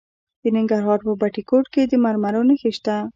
د ننګرهار په بټي کوټ کې د مرمرو نښې شته.